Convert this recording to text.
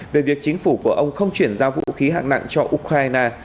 về việc chính phủ của ông không chuyển giao vũ khí hạng nặng cho ukraine